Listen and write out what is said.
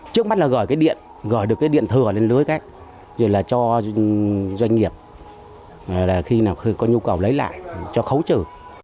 trước mắt là gọi điện gọi được điện thừa lên lưới rồi là cho doanh nghiệp khi nào có nhu cầu lấy lại cho khấu trừ